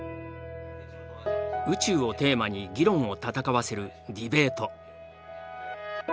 宇宙をテーマに議論を戦わせるディベート。